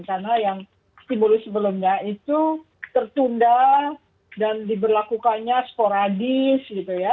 karena yang stimulus sebelumnya itu tertunda dan diberlakukannya sporadis gitu ya